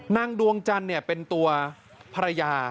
นั่งดวงจันเนี่ยเป็นตัวภรรยา